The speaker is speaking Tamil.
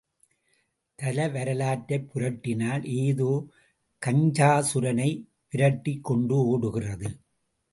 தல வரலாற்றைப் புரட்டினால் ஏதோ கஞ்சாசுரனை விரட்டிக் கொண்டு ஓடுகிறது.